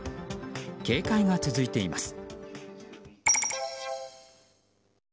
警戒が続いています。